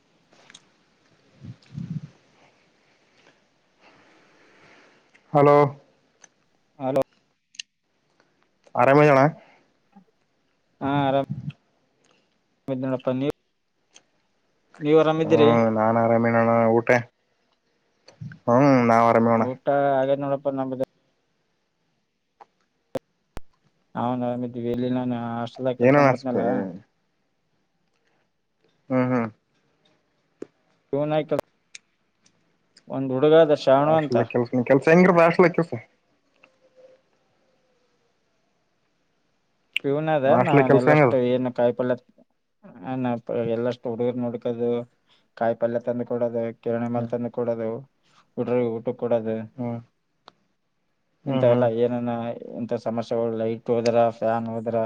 [inaudible] [inaudible] Hello hello ಆರಮ ಇಧಿಯನ ಆರಾಮ ಇದೀನಿ ನೋಡಪ್ಪ ನೀನು ಹ್ಮ್ ನಾನ್ ಆರಾಮನಣ್ಣ ಊಟ ಹ್ಮ ಊಟ ಹಾಗೇ ನೋಡಪ್ಪ ನಮ್ದ ಅವನ್ ಆರಾಮಿದೀವಿ ಎಲ್ಲಿ ನಾನ್ ಅಷ್ಟದ ಕೆಲ್ಸ ಏನಣ್ಣ ಮಾಡತನಲ್ಲ ಹ್ಮ್ ಹ್ಮ್ [unintelligible] ಒಂದ್ ಹುಡುಗ ಅದ ಶ್ರಾವಣ ಅಂತ ಆಷ್ಟಲ ಕೆಲ್ಸನ ಕೆಲ್ಸ ಹೆಂಗಿರದ ಆಷ್ಟಲ ಕೆಲ್ಸ ಪವನ ಅದ ನಾ ಹಾಸ್ಟೆಲ್ ಕೆಲ್ಸ ಹೆಂಗದ ಎಲ್ಲಷ್ಟು ಏನ್ ಕಾಯ್ಪೊಳ್ಳ ಹ ನ ಎಲ್ಲಷ್ಟು ಹುಡುಗರ್ ನುಡ್ಕದು ಕಾಯಿ ಪಲ್ಯ ತಂದ್ ಕೊಡೋದು ಕೆರಣೆ ಮೇಲ್ ಹ್ಮ್ ತಂದು ಕೊಡೋದುಡ್ರ ಊಟ ಕೊಡದು ಹ್ಮ್ ಇಂತ ಹ್ಮ್ ಎಲ್ಲ ಏನ ಸಮಸ್ಯೆಗಳು ಲೈಟ್ ಹೋದ್ರ ಫ್ಯಾನ್ ಹೋದ್ರ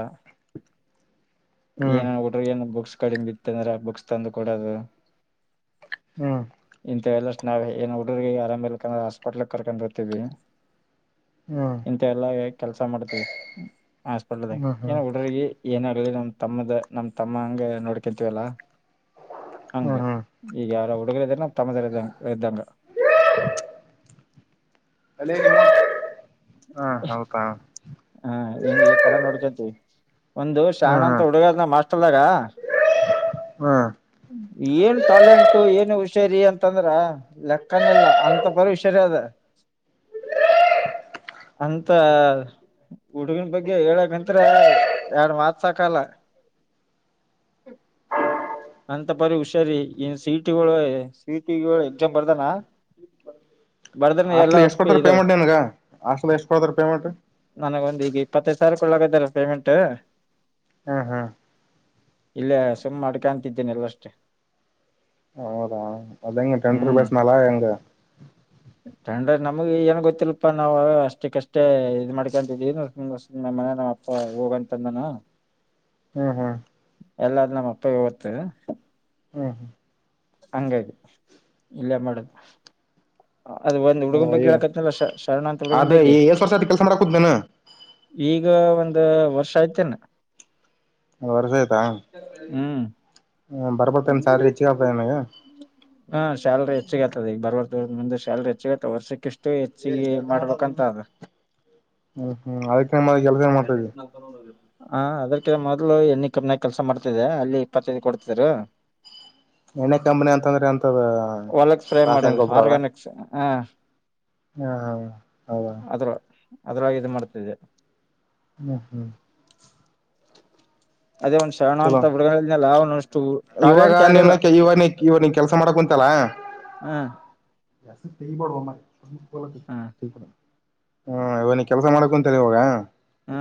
ಹ್ಮ್ ಏನ ಹುಟ್ರಗ ಏನು ಬುಕ್ಸ್ ಕಡಿಮ ಇತ್ತ ಅಂದ್ರೆ ಬುಕ್ಸ್ ತಂದು ಕೊಡೋದು ಹ್ಮ ಎಲ್ಲ ನಾವ್ ಏನ್ ಹುಡುರ್ರಿಗೆ ಆರಾಮ್ ಇಕ್ರೆ ಹಾಸ್ಪಿಟ್ಲ್ ಕರ್ಕೊಂಡ್ ಬರ್ತೀವಿ ಹ್ಮ್ ಹ್ಮ್ ಇಂತ ಎಲ್ಲ ಕೆಲ್ಸ ಮಾಡ್ತಿೀವಿ ಹಾಸ್ಪಿಟ್ಲ್ದಾಗ ಹ್ಮ್ ಏನ ಹ್ಮ್ ಹುಡ್ರಗ ಏನ ನಮ್ ತಮ್ಮದ ನಮ್ ತಮ್ಮ ಹಂಗೆ ನೋಡ್ಕಂತೀವಲ್ಲ ಹಂಗ ಹ್ಮ್ ಹ್ಮ್ ಈಗ ಯಾರ ಹುಡುಗರು ಇದ ನಾವ ತಮ್ಮದ ಇದಂಗ ಇದ್ದಂಗ ಅಲ್ಲಿ ಹಾ ಹೆನ್ ಈ ತರ ನೋಡ್ಕತಿ ಒಂದು ಶಾಣ ಹ್ಮ್ ಅಂತ ಹ್ಮ್ ಹುಡುಗದನ ಮಾಸ್ದಾಗ ಹ್ಮ್ ಏನ್ ಟ್ಯಾಲೆಂಟ ಏನ್ ಹುಷರಿ ಅಂತಂದ್ರ ಲೆಕ್ಕನ ಇಿಲ್ಲ ಅಂತ ಬರಿ ಹುಷಾರಿ ಅದ ಹ ಅಂತ ಹುಡುಗನ್ ಬಗ್ಗೆ ಹೇಳಕ್ಂ್ರ ಎರಡ್ ಮಾತ್ ಸಾಕಲ್ಲ ಹ್ಮ ಅಂತ ಬರಿ ಹುಷಾರಿ ಏನ್ ಸಿಟಿಳ ಸಿಟಿಳ ಎಕ್ಸಾಮ್ ಬರ್ದಾನ ಹ ಬರ್ದನ ಹಾಸ್ಲ ಎಲ್ಲಾ ಎಷ್ಟ ಕೊಟ್ಟ್ರ ಇದು ಪೇಮೆಂಟ್ ಏನ್ಗ ಹಾಸ್ಲ ಎಷ್ಟ ಕೊಡತ್ರ ಪೇಮೆಂಟ್ ಸರ್ ಕೊೊಳ್ಳಕದಾರ ಪೇಮೆಂಟ್ ಹ್ಮ ಹಾ ಇಲ್ಲೇ ಸುಮ್ಮ್ ಮಾಡ್ಕಂತಿದ್ದೇನೆ ಎಲ್ಲಷ್ಟೇ ಹೌದಾ ಅದ ಹೆಂಗ ಟೆಂಟ ಹ್ಮ್ ಪಸ್ ನಲ ಹೆಂಗ ನಮ್ಗೆ ಏನ್ ಗೊತ್ತಿಲ್ಪ ನಾವ್ ಅಷ್ಟಕ್ಕಷ್ಟೇ ಇದ್ ಮಾಡ್ಕೊಂತಿದೀ ನಮ್ಮ ಮನೆ ನ್ ಅಪ್ಪ ಹೋಗಂತಂದಾನ ಹ್ಮ್ ಹ್ಮ್ ಎಲ್ಲಾದ ನಮ್ಮ್ ಅಪ್ಪಗೆ ಓತ್ತು ಹ್ಮ ಹ್ಮ ಹಂಗಾಯ್ತು ಇಲ್ಲಯ ಮಾಡದು ಅದು ಒಂದ್ ಹುಡುಗನ ಬಗ್ಗೆ ಹ್ಮ್ ಹೇಳೇಕತ್ತನಲ್ಲ ಶರಣ ಅಂತ ಹುಡುಗನ್ ಅದ ಬಗ್ಗೆ ಎಷ್ಟ್ ವರ್ಷ ಆಯ್ತು ಕೆಲ್ಸ ಮಾಡಕೂತ್ ನೀನು ಈಗ ಒಂದ ವರ್ಷ ಆಯ್ತೇನ ಅ್ ವರ್ಷ ಆಯ್ತಾ ಹ್ಮ್ ಬರ್ಬತ್ತನ್ ಸಾರಿರಿ ಹೆಚ್ಚಗಪನಗ ಹಾ ಶ್ಯಲ್ರಿ ಹೆಚ್ಚಿಗೆ ಆತದ ಈಗ ಬರಬಾರ್ದ ಮುಂದೆ ಶ್ಯಲ್ರಿ ಹೆಚ್ಚಗ ಆತದ ವರ್ಷಕ್ಕೆ ಇಷ್ಟು ಹೆಚ್ಚಿಗೆ ಮಾಡ್ಬೇಕಂತ ಹ ಹ್ಮ್ ಹ್ಮ್ ಅದಕ್ಕ ಏನ್ ಮಾಡ ಕೆಲ್ಸ ಏನ್ ಮಾಡ್ತಾ ಇದ್ವಿ ಹಾ ಅದ್ರಕ ಮೊದ್ಲು ಎಣ್ಣ ಕಪ್ನಾಗ ಕೆಲ್ಸ ಮಾಡ್ತಿದೆ ಅಲ್ಲಿ ಇಪ್ಪತ್ತೈದು ಕೊಡ್ತಿದ್ರು ಎಣ್ಣೆ ಕಂಪನಿ ಅಂತಂದ್ರೆ ಎಂತದ ರಾಸಾಯನ ಗೊಬ್ರ ಅದ ಹಾ ಹಾ ಹ ಹೌದ ಅದ್ರಾಗ ಇ ಮಾಡ್ತಿದೆ ಹ್ಮ ಹ್ಮ್ ಅದೇ ಒಂದ್ ಶರಣ ಚಲೋ ಅಂತ ಹುಗಳ ಇವಾಗ ನೀನು ಇವಾಗ ನಿ ಇವ ನಿ ಕೆಲ್ಸ ಮಾಡಕ್ ಕುಂತಲ್ಲಾ ಹ್ಮ ಎಸ್ೈಪಡುವ್ರಲಡ ಹ್ಮ್ ಹ್ಮ ಇವನಿಗೆ ಕೆಲಸ ಮಾಡಕು ಅಂತಾರೆವಾಗ ಹ್ಮ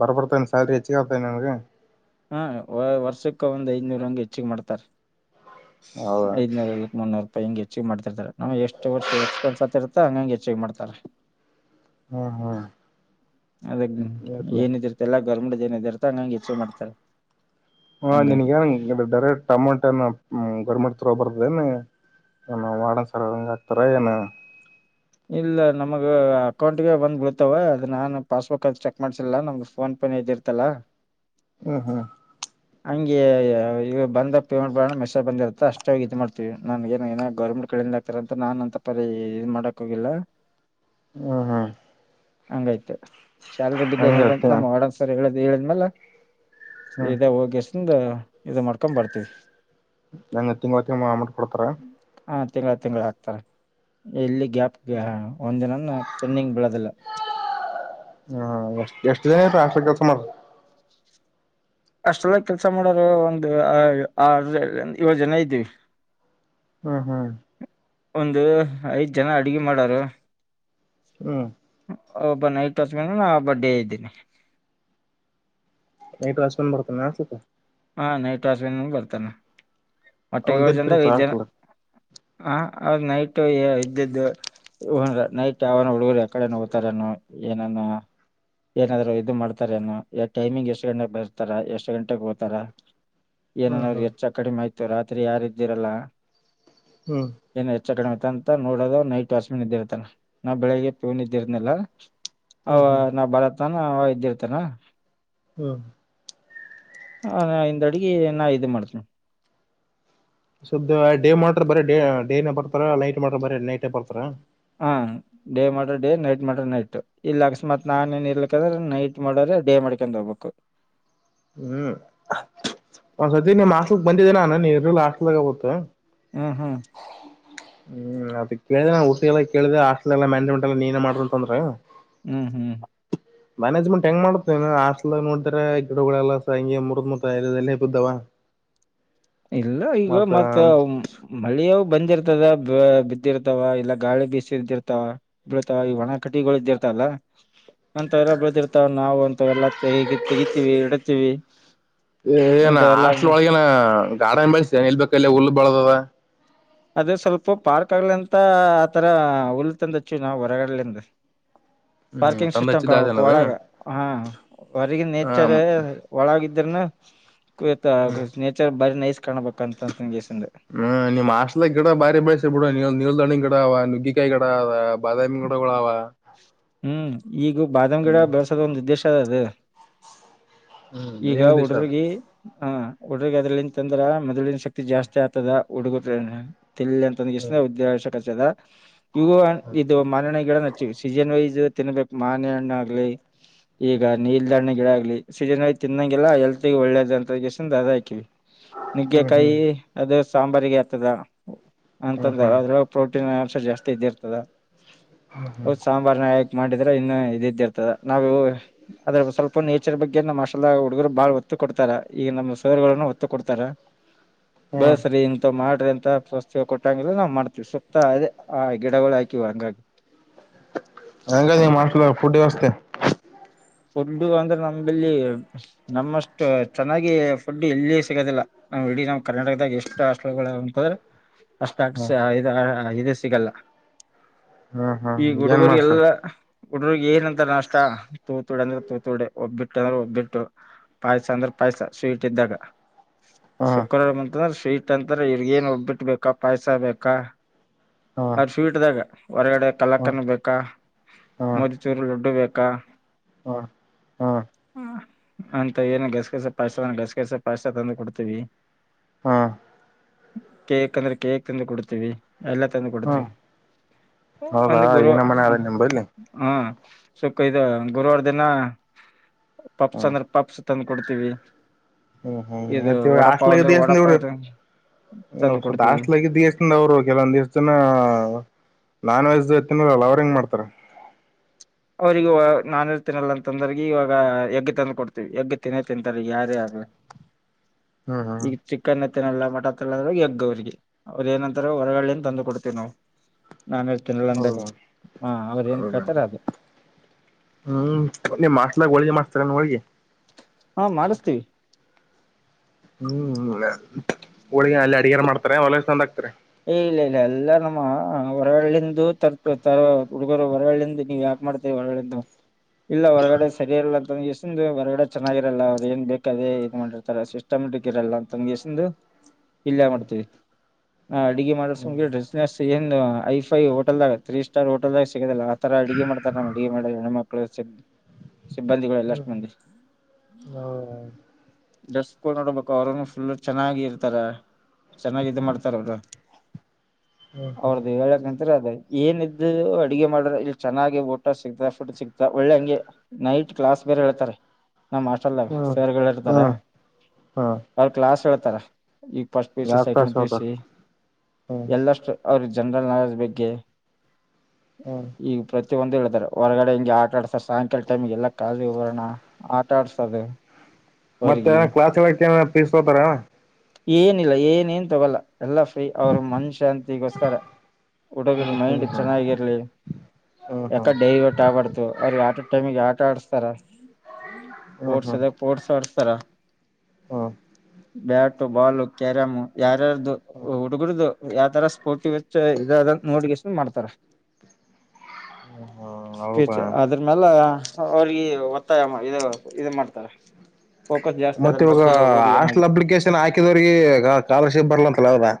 ಬರ್ಬಡ್ತೇ ಸಲ್ರಿ ಹೆಚ್ಚಿಗ ಆರ್ತಿ ನನ್ಗೆ ಹಾ ವರ್ಷಕ್ಕ ಒಂದ್ ಐದ್ನೂರ ಹಂಗಗೆ ಹೆಚ್ಚಿಗೆ ಮಾಡ್ತಾರ ಹೌದಾ ಐದನೂರಕ್ ಮುನ್ನೂರು ರೂಾಯಿಂಗಿತ್ತು ಚ್ಚವ್ ಮಾಡ್ತಿರ್ತಾರೆ ನಮ್ ಎಷ್ಟು ವರ್ಷ ಎಕ್ಸ್ಪೆನ್ಸ್ ಆತಿರುತ್ತ ಹಂಗಗೆ ಅಚೀವ್ ಮಾಡ್ತಾರೆ ಹ್ಮ್ ಹ್ಮ್ ಅದ ಏನಿದಿರ್ತ ಎಲ್ಲ ಗರ್ಮಂಡ ಏನಿದಿರ್ ಹಾ ಹಂಗಾಗಿ ನಿಿನಗೆ ಡೈರೆಕ್ಟ್ ಟಮೋಟನ ಹ್ಮ್ ಗೋರ್ಮೆಂಟ್ ರೋ ಬರ್ದೇನ್ ಏನು ಮಾಡಡನ್ ಸರ ಹಂಗ ಆಾಕ್ತಾರ ಏನ ಅಕೌಂಟ್ ಗೆ ಬಂದ್ ಬಿೀಳ್ತಾವ ಅದು ನಾನು ಪಾಸ್ಬುಕ್ ಅದು ಚೆಕ್ ಮಾಡ್ಸಿಲ್ಲ ನಮ್ಗೆ ಫೋನ್ ಪೇ ಇದ ಇರ್ತಲ್ಲಾ ಹ್ಮ್ ಹ್ಮ್ ಹಂಗೆ ಬಂದ ಪೇಮೆಂಟ್ ಬೋಣ ಮೆಸೇಜ ಬಂದಿರುತ್ತ ಅಷ್ಟಾಗಿ ಇದು ಮಾಡ್ತೀವಿ ನನ್ ಏ ಏೋ ಗೌರ್ಮಂಟ್ ಕಿಂದ ಹಾತ ಅಂತ ನಾನು ಅಂತ ಪರಿ ಇ ಮಾಡಕ್ ಹೋಗಿಲ್ಲ ಹ್ಮ ಹ್ಮ್ ಹಂಗಾಯ್ತು ಶಾಲರಿ ಬಿದ್ದ ನೋಡಂತ ಹಂಗತ್ತ ನಮ್ಮ ಒಡನ್ಸರ್ ಹೇಳುದು ಹೇಳಿದ್ಮಲ್ಲ ಹ್ಮ್ ಇದ ಹೋಗಸಂದ ಇ ಮಾಡ್ಕೊಂಡ್ ಬರ್ತವಿ ನಂಗ್ ತಿಂಗ್ ಹೊತ್ತ ಮಾಮಟ್ ಕೊಡ್ತಾರ ಹಾ ತಿಂಗಳ ತಿಂಗಗಳ ಹಾಕ್ತಾರೆ ಎಲ್ಲಿ ಗ್ಯಾಪ್ಗೆ ಒಂದ ದಿನ ಚೆಂಡಿಂಗ್ ಬೆಳೋದಿಲ್ಲ ಹ್ಮ ಎಷ್ಟ ಎಷ್ಟ ದಿನ ಾಕ್ಷ ಕೆಲ್ಸ ಮಾಡ್ರ ಅಷ್ಟೆಲ್ಲ ಕೆಲ್ಸ ಮಾಡೋರು ಒಂದು ಆ ಏಳ ಜನ ಇದ್ದೀವಿ ಹ್ಮ್ ಹ್ಮ್ ಒಂದು ಐದ ಜನ ಅಡಗೆ ಮಾಡರು ಹ್ಮ್ ಒಬ ನೈಟ್ ಅಸ್್ಮೇಲೆ ನಾ ಬರ್ಡೇ ಇದ್ದೇನಿ ನಟ್ರಸ್ಪನ್ ಬರ್ತ ಆಸತ ಹಾ ನೈಟ್ ವಾಷ ಬರ್ತಾನ ಮಟ್ಟೆ ಏ ಅವಂದೇನ್ ಜನಂದ ಕೆಲ್ಸ ವಐದ್ ಜನ ಹಾಸ್ಟೆಲ್ ಹ ಅವ್ರ್ ನೈಟ್ು ಇದ್ದ್ದು ಇನ್ ನೈಟ್ ಯಾವನ ಹುಡುಗರು ಯಕಡೆ ನೋತಾರನು ಏನಾನ ಏನಾದ್ರು ಇದದು ಮಾಡ್ತಾರ ಏನುೋ ಟೈಮಿಂಗ್ ಎಷ್ಟು ಗಂಟೆಗೆ ಬರ್ತಾರ ಎಷ್ಟು ಗಂಟೆಗೆ ಹೋಗತಾರ ಹ್ಮ್ ಏನನ್ ಅವ್ರಿಗೆ ಹ್ಮ್ ಹೆಚ್ಚ ಕಡಿಮೆ ಆಯ್ತು ರಾತ್ರಿ ಯಾರಿದ್ದಿರಲ್ಲ ಹ್ಮ್ ಚಣಐತ ಅಂತ ನೋಡೋದು ನೈಟ್ ವಾಶ್ಮನ್ ಇದ್ದಿರರ್ತ್ತ ನಾವು ಬೆಳಿಗ್ ಪೂವ್ ಇದ್ದಿರನಲ್ಲ ಅವ ಹ್ಮ್ ಹ್ಮ್ ನಾವ್ ಬರತ್ಾನ ಇದ್ದಿರ್ತಾನ ಹ್ಮ್ ಹ ಹಿಂದ ಅಡ್ಗ ನಾ ಇ ಮಾಡ್ತೇನೆ ಶುದ್ದ ಡೇ ಮಾಡ್ರ ಬರೀ ಡೇನೇ ಬರ್ತಾರ ನೈಟ್ ಮಾಡ್ರ ಬರ ನೈಟ್ೇ ಬರ್ತಾರ ಹ ಡೇ ಮಾಡ್ರಿ ಡೇ ನೈಟ್ ಮಾಡ್ರ ನೈಟ್ ಇಲ್ಲಿ ಅಕಸ್ಮಾತ್ ನಾನನ್ ಏನ್ ಇರ್ಲಂದ್ರ ನೈಟ್ ಮಾಡ್ರ ಡೇ ಮಾಡಡಿಕಕೊಂಡ್ ಹೋಗ್ಬೇಕು ಹ ಹ್ಮ್ ಸದೀ ನಿಮ್ ಹಲಿಕ್ ಬಂದಿದ್ದೇನಾನು ನೀ ಇಲ್ಲ ಹಸ್ಲಾಗ ಆಗುತ್ತ ಹ್ಮ್ ಹ್ಮ್ ಹ್ಮ್ ಅದಕ್ಕೆ ಕೇಳಿದೆ ನುಿ ಎಲ್ಲ ಕೇಳಿದೆೆ ಆಸ್ಟಲ್ಲ ಮಾನೇಜ್ಮೆಂ ಎಲ್ಲ ನೀನ ಮಾಡ್ರ ಅಂದ್ರೆ ಹ್ಮ್ ಹ್ಮ್ ಮ್ಯಾನೇಜ್ಮೆಂಟ್ ಹೆಂಗ ಮಾಡುತ್ತೇ ಹಸ್ಟಲ್ ನೋಡಿದ ಗಿಡಗಳೆಲ್ಲ ಸ ಹಂಗೆ ಮುರದ್ ಮುತ ಎಲ್ಲ ಬಿದ್ದಾವ ಇಲ್ಲ ಈಗ ಮತ್ತ ಮಳೆಯ ಬಂದಿರ್ತದ ಬ ಬಿದ್ದಿರ್ತಾವ ಇಲ್ಲ ಗಾಳಿ ಬೀಿಸಿ ಇದ್ದಿರ್ತಾವ ಬೀಳತಾವ ಈ ಒಣ ಕಟಿಗಳು ಇದ್ದಿರ್ತಾವ ಅಂತವಲ್ಲ ಬಳದಿರ್ತಾವ ನಾವು ಅಂತಲ್ಲ ೆಗಿ ತಗಿತ್ತೀವಿ ಇಡತೀವಿ ಏನ ಎಂತ ಎಲ್ಲ ಹಾಸ್ಟ್ಲ್ ಒಳಗೇನ ಗಾರ್ಡನ್ ಬೆಳೆಸತೇನೆ ನಿಲ್ಬೇಕ ಎಲ್ಲ ಹುಳ್ಳು ಬಳದ ಅದೇ ಸ್ವಲ್ಪ ಪಾರ್ಕ್ ಆಗ್ಲಿ ಅಂತ ಆತರ ಹುಲ್ ತಂದಚ್ಚು ನಾವವು ಹೊರಗಡ್ಲಿಂದ ಹ್ಮ್ ಪಾರ್ಕಿಂಗ್ ತಂದ ಸಿಸ್ಟಮ್ ಕಾಣಬೇಕು ಹಚ್ಚಿದನದ ಒಳಗ ಹ ಹೊರಗ ನೇಚರ್ ಹ್ಮ್ ಒಳಗ ಇದ ನೇಚರ್ ಬಾರಿ ನೈಸ್ ಕಾಣಬ ಹ್ಮ್ ನಿಮ್ ಹಸ್ಲ ಗಿಡ ಬಾರಿ ಬೆಳಸ ಬಿಡ ನೀ ನಿಲ್ಣ ಗಿಡ ಗಡ ಅವ ನುಗ್ಗ ಕಾಯಿ ಗಿಡ ಅವ ಬಾದಾಮಿ ಗಡಗಳು ಅವ ಹ್ಮ್ ಈಗೂ ಬಾದಾಮ್ ಗಿಡ ಹ್ಮ್ ಬೆಳಸೋದ ಒಂದು್ ಉದ್ದೇಶ ಅದ ಅದ ಹ್ಮ್ ಈಗ ಏನ್ ಉದ್ದೇಶ ಹುಡ್ರಗಿ ಹ ಹುಡ್್ರಗ್ ಅದ್ರಲ್ಲಿಂತಂದ್ರ ಮೊದ್ಿನ ಶಕ್ತಿ ಜಾಸ್ತಿ ಆಗ್ತದ ಹುಡ್ಗು ತಿಲ್ಲಿ ಅಂತಂದ ಎಷ್ಟ ಹ್ಮ್ ಉದೇಶಕಚದ ಇ ಇದು ಮನಣ ಗಿಡ ನಚ್ಚ ಸೀಸನ್ ವೈಸ್ ತಿನ್ಬೇಕು ಮಾನೆ ಹಣ್ಣ ಆಗ್ಲಿ ಈಗ ನೀಲ್ದ ಹಣ್ಣ ಗಿಡ ಆಗ್ಲಿ ಸೀಜನ್ ಆಯ ತಿನ್ನಂಗಿಲ್ಲ ಎಲ್ತ್ ಒಳ್ಳೇದ ಅಂತ ಅದ ಹಾಕಿವವಿ ನುಗ್ಗೆಕಾಯಿ ಹ್ಮ್ ಅದ ಸಾಂಬಾರಿಗೆ ಇರ್ತದ ಹ್ಮ್ ಹ್ಮ್ ಅಂತಂದ ಹ್ಮ್ ಅದ್ರೊಳ ಪ್ರೋಟೀನ್ ಅಂಶ ಜಾಸ್ತಿ ಇದ್ದ ಇರ್ತದ ಸಾಂಬಾರ ನಾಯಕ ಮಾಡಿದ್ರೆ ಇನ್ನು ಇದ ಇದ್ದಿರ್ತದೆ ನಾವು ಅದ್ರ ಸ್ವಲ್ಪ ನೇಚರ್ ಬಗ್ಗೆ ನಮ್ಮ ಅ ಹುಡುಗರು ಬಾಳ್ ಒತ್ತು ಕೊಡ್ತಾರ ಈಗ ನಮ್ಮ್ ಸೋದರನ್ನ ಒತ್ತು ಕೊಡ್ತಾರ ಹ್ಮ್ ಬಸ್್ ಇಂತ ಮಾಡ ಂತ ಪ್ರಸ್ ಕೊಟ್ಟಂಗಿಲ್ಲ ನಾವ್ ಮಾಡ್ತಿೀವಿ ಸುತ್ತ ಅದೇ ಆ ಗಿಡಗಳು ಹಾಕಿವ ಹಂಗಾಗಿ ಹಂಗ ನೀ ಮಾಡಕ ಪುಡವಸ್ ಫುಡ್ಡು ಅಂದ್ರೆ ನಂಬಲ್ಲಿ ನಮ್ಮಷ್ಟ ಚೆನ್ನಾಗಿ ಫುಡ್ ಎಲ್ಲಿ ಸಿಗದಿಲ್ಲ ಇಡೀ ನಾವ್ ಕರ್ನಾಟಕದಾಗ ಎಷ್ಟು ಆಲ್ ಉಂಟದ್ರೆ ಅಷ್ಟ ಹ್ಮ್ ಇ ಇದು ಸಿಗಲ್ಲ ಹ್ಮ್ ಹ್ಮ್ ಈ ಏನ್ ಮಾಡ್ಸ ಹುಡುಗರಿಗೆಲ್ಲ ಹುಡುಗರಿಗೆ ಏನಂತಾರ ನಷ್ಟ ತೂತುಡಿ ಅಂದ್ರೆ ತೂತುಡೆ ಒಬ್ಬಿಟ್ಟು ಅಂದ್ರೆ ಒಬ್ಬಿಟ್ಟು ಪಾಯಸ ಅಂದ್ರೆ ಪಾಯಸ ಸ್ವೀಟ್ ಇದ್ದಾಗ ಹ್ಮ್ ಶುಕ್ರವಾರ ಅಂತಂದ್ರೆ ಸ್ವೀಟ್ ಅಂತಾರ ಇವ್ರಗ ಏನ್ ಒಬ್ಬಿಟ್ಬೇಕಾ ಪಾಯಸ ಬೇಕಾ ಹ್ಮ್ ಅ್ರ ಸ್ವೀಟ್್ಗ ಹೊರಗಡೆ ಹ್ಮ್ ಹ್ಮ್ ಕಲ್ಲಕ್ಕನ್ ಬೇಕಾ ಮಜಚೂರು ಡ್ಡು ಬೇಕ ಕುಕ್ಕಾ ಹಾ ಹಾ ಅಂತ ಏನ್ ಗಸಗಸ ಪಾಯಸ್ತ ಗಸಗಸ ಪಾಯಸ್ತಾ ತಂದು ಕೊಡ್ತೀವಿ ಹಾ ಕೇಕ್ ಅಂದ್ರೆ ಕೇಕ್ ತಂದ್ರೆ ಕೊಡ್ತೀವಿ ಎಲ್ಲ ತಂದು ಕೊಡ್ತೀವಿ ಹೌದಾ ಒಂದು ಗುರುವ ಏನ ಮನೆ ಅದ ನಿಂಬಲ್ಲಿ ಹಾ ಸುಖ ಇ ಗುರುವಾರ ದಿನ ಪಪ್ಸ್ ಹ್ಮ್ ಅಂದ್ರೆ ಪಪ್ಸ್ ತಂದು ಕೊಡ್ತೀವಿ ಹ್ಮ್ ಇದು ಹ್ಮ್ತ್ತ ವಡಾಪಾವ್ ಅಂದ್ರ ಆಷ್ಟಲಗದ ವಡಾಪಾವ್ ತಂದು ಕೊಡ್ತೀವಿ. ದಾಸ್ಟ್ಲಾಗಿ ದಿವಸದಿಂದ ಅವ್ರು ಕೆಲವೊಂದ್ ದಿವಸ ದನ ನಾನ್ ವಜ್ ನರಲ್ಲ ಅವ್ರ ಹೆಂಗ್ ಮಾಡ್ತಾರ ಅವ್ರಿಗೆ ನಾನೇ ತಿನ್ನಲ್ಲ ಅಂತಂದ್ರ ಇವಾಗ ಎಗ್ಗೆ ತಂದು ಕೊಡ್ತೀವಿ ಎಗ್ಗೆ ತಿನ್ನೇ ತಿಂತಾರೆ ಯಾರ ಹ್ಮ್ ಹ್ಮ್ ಈಗ ಚಿಕನ್ ಲ್ಲ ಮಠದ್ರ ಎಗ್ ಅವ್ರಿಗೆ ಅವ್ರು ಏನಂತಾರ ಹೊರಗ್ನ್ ತಂದು ಕೊಡ್ತೇವಿ ನಾವು ನಾನ್ ಹೇಳ್ತೀನಲ್ಲ ಅಂದರಿ ಹೌದಾ ಹ ಅವ್ರ ಏನ್ ಹೌದಾ ಕೇಳ್ತಾರೆ ಅದು ಹ್ಮ್ ಮಾಸ್ಲ ಒಳ ಮಾಸ್ ತಕಾನ ಒಳಿಗೆ ಹಾ ಮಾಡಿಸ್ತೀವಿ ಹ್ಮ್ ಹೋಳಗ ಅಲ್ಲಿ ಅಡಗಾರ ಮಾಡ್ತಾರೆ ಹೊಲ ಚಂದ ಆಗ್ತಾರೆ ಇಲ್ಲ ಇಲ್ಲ ಎಲ್ಲ ನಮ್ಮ ಹೊರಗಳ್ಳಂದು ತರ್ ತ ಹುಡುಗರು ಹೊರಗಳ್ಳಂದು ನೀವ್ ಯಾಕ ಮಾಡ್ತೇವಿ ಒರಗಡೆ ಇಲ್ಲ ಒರಗಡೆ ಸರಿಯಲ್ಲ ಮ್ಗೆಸಂದು ಹೊರಗಡೆ ಚನ್ನಾಗಿರಲ್ಲ ಅವ್ರು ಏನ್ ಬೇಕದೇ ಇ ಮಾಡಿರ್ತಾರ ಸಿಸ್ಟಮಟಿಕ್ ಇರಲ್ಲ ಅಂತ ತಮ್ ಎಸಂದು ಇಲ್ಲೇ ಮಾಡ್ತೇವಿ ನಾ ಅಡುಗೆ ಮಾಡ ಹ್ಮ್ ಡ್ರೆಸ್ ನ ಒಂದು ಐ ಫೈೋಟಲ್ದಾಗ ತ್ರೀ ಸ್ಟಾರ್ ಹೋಟೆಲ್ದಾಗ ಸಿಗದಿಲ್ಲಲ್ಲ ಆತರ ಅಡುಗೆ ಮಾಡತಾರೆ ನಮ್ ಅಡುಗೆ ಮಾಡಣ ಮಳ ಸಿ ಸಿಬ್ಬಂದಿಗಳು ಎಲ್ಲಷ್ಟ ಹ್ಮ್ ಮಂದಿ [inaudible] ಹ್ಮ್ ಡ್ರೆಸ್ ನೋಡ್ಬೇಕು ಅವ್ರ ಫುಲ್ ಚೆನ್ನಾಗಿ ಇರ್ತಾರೆ ಚೆನ್ನಾಗಿ ಮಾಡ್ತಾರೆ ಹ್ಮ್ ಅವ್ರದದುು ಳಕ್ ಗಂತರ ಅದೇ ಏನ ಇದ್ದು ಅಡುಗೆ ಮಾಡ್ರ ಇಲ್ಲಿ ಚೆನ್ನಾಗಿ ಊಟ ಸಿಗ್ತ ಫುಡ್ ಸಿಗ್ತ ಒಳ್ಳೆ ಹಂಗೆ ನೈಟ್ ಕ್ಲಾಸ್ ಬೇರೆ ಹೇಳ್ತಾರೆ ನಮ್ಮ ಹಾಸ್ಟೆಲ್ಡಾಗ ಹ್ಮ್ ಸರ್ಗಳು ಇರ್ತಾರೆ ಹ್ಮ್ ಹ್ಮ್ [inaudible] ಅವ್ರ ಕ್ಲಾಸ್ ಹ ಈಗ ಫಸ್ಟ್ ಪಿ ಸಿ ಎರಡು ಸೆಕೆಂಡ್ ತಾಸು ಪಿ ಹೋತಾರ ಸಿ ಹ್ಮ್ ಎಲ್ಲಷ್ಟು ಅವ್ರ ಜನರಲ್ ನಾಲೆಜ್ ಬಗ್ಗೆ ಹ್ಮ್ [inaudible] ಈಗ ಒಂದಿ ಹೇಳಿದಾರ ಹೊರಗಡೆ ಹಿಂಗೆ ಆಟ ಆಡ್ಸ ಸಾಯಂಕಾಲ ಟೈಮಗೆ ಎಲ್ಲ ಕಾಲಿ ಬರೋಣ ಆಟ ಆಡ್ಸದು ಮತ್ತೆ ಕ್ಲಾಸ್ಗೆ ಹೋಗೋಕ್ಕೆ ಏನಾದ್ರ ಪೀಸ್ಕೋತಾರ ಏನಿಲ್ಲ ಏನ ಏನ್ ತೊಗೊಲ್ಲ ಎಲ್ಲಾ ಫ್ರೀ ಅವ್ರ ಮನ್ ಶಾಂತಿಗೋಸ್ಕರ ಹುಡುಗ ಹ್ಮ್ ಮೈಂಡ್ ಹ್ಮ್ ಹ್ಮ್ ಚೆನ್ನಾಗಿರ್ಲಿ ಹ್ಮ್ ಹ್ಮ್ ಯಾಕಡೆ ಹ್ಮ್ ದೈವಟ್ ಆಗ್ಬಾರಡ್ತು ಅವ್ರಿಗೆ ಆಟ ಟೈಮಿಗೆ ಆಟ ಆಡಿಸ್ತಾರ [inaudible] ಸ್ಪೋರ್ಟ್ಸ್ ಇದ್ರೆ ಹ್ಮ್ ಸ್ಪೋರ್ಸ್ ಆಡಿಸ್ತಾರ ಹ್ಮ್ ಹ್ಮ್ ಬ್ಯಾಟ್ ಬಾಲು ಕ್ಯಾರಮ್ ಯಾರಾರ್ದು ಹುಡುಗರ್ದು ಯಾವ್ತರ ಸ್ಫೋರ್ಟಿ ವಚ್ಚ ಇದದ ನೋಡಗಷ್ಟ ಮಾಡ್ತಾರ ಹ್ಮ್ ಹೌದಾ [inaudible] ಅದ್ರಮೇಲೆ ಅವ್ರಿಗೆ ಒತ್ತಾಯ ಇದ್ ಇದ್ ಮಾಡ್ತಾರೆ ಫೋಕಸ್ ಜಾಸ್ತಿ ಅದ್ರ ಮತ್ತ ಇವಾಗ ಬಗ್ಗೆ ಹೋಗ್ಲಿ ಅನ್ನೋದು ಹಾಸ್ಟಲ್ ಅಪ್ಲಿಕೇಶನ್ ಹಾಕಿದವ್ರರಿಗೆ ಸ್ಕಾಲರ್ಶಿಪ್ ಬರ್ಲ [unintelligible]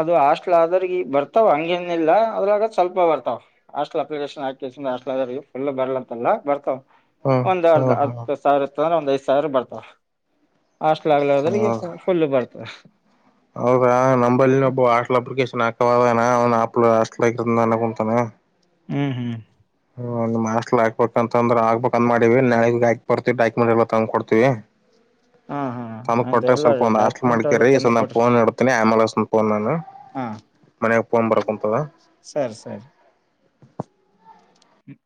ಅದು ಹಾಸ್ಟಲ್ ಆದ್ರ ಬರ್ತಾವ್ ಹಂಗೇನಿಲ್ಲ ಅದ್ರಾಗ ಸ್ವಲ್ಪ ಬರ್ತವು ಹಾಸ್ಟಲ್ ಅಪ್ಲಿಕೇಶನ್ [unintelligible] ಫುಲ್ ಬರ್ಲ ಅಂತಲ್ಲ ಬರ್ತವ ಹ್ಮ್ ಒಂದ್ ಅರ್ಧ ಹ್ಮ್ ಹ್ಮ್ ಹತ್ತು ಸಾವಿರ ಇತ್ತ ಅಂದ್ರೆ ಒಂದ್ ಐದ್ ಸಾವಿರ ಬರ್ತಾವ ಹಾಸ್ಟೆಲ್ ಆಗ್ಲದ್ರ ಹೌದ ಫುಲ್ ಬರ್ತದೆ ಹೌದಾ ನಂಬಲ್ಲಿಬ್ಬ ಆಟ್ಲ್ ಅಪ್ಲಿಕೇಶನ್ ಯಾವಗಾನ ಅವ್ನು [unintelligible] ಹಾಸ್ಟೆಲ್ [unintelligible] ಕುಂತನ ಹ್ಮ್ ಹ್ಮ್ ಹ್ಮ್ ಹಾಸ್ಟೆಲ್ ಹಾಕ್ಬೇಕ ಅಂತಂದ್ರ ಆಗ್ಬೇಕಂತ ಮಾಡವಿ ನಾಳಗ್ ಹಾಕ್ರ್ತತಿವಿ ಡಕ್ಯುಮೆಂಟ್ ಎಲ್ಲ ತಂದ್ ಕೊಡ್ತತಿವಿ ಹಾ ಹಾ [inaudible] ತಂದ ಅಂತ ಕೊಟ್ಟಾಗ ಎಲ್ಲ ಸ್ವಲ್ಪ ಒಂದ ಹಾಸ್ಟೇಲ್ ಡಾಕ್ಯುಮೆಂಟ್ ಎಲ್ಲ ಮಾಡ್ಕೊಡ್ರಿ ತಂದು ಕೊಡ್ರಿ ಫೋನ್ ಇಡ್ತೇನಿ ಆಮೇಲೆ ಹಚ್ಚೇತೀನಿ ಫೋನ್ ನಾನು ಹಾ [unintelligible] ಸರಿ ಸರಿ